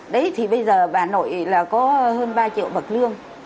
đấy thì bây giờ bà nội là có hơn ba triệu bậc lương